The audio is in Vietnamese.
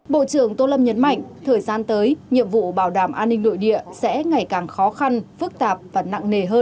bộ trưởng tô lâm nhấn mạnh thời gian tới nhiệm vụ bảo đảm an ninh nội địa sẽ ngày càng khó khăn phức tạp và nặng nề hơn